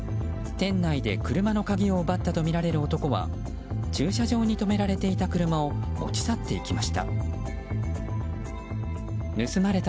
店内で車の鍵を奪ったとみられる男は駐車場に止められていた車を持ち去っていきました。